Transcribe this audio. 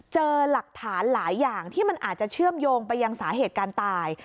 เจอหลักฐานหลายอย่างที่มันอาจจะเชื่อมโยงไปยังสาเหตุการตาย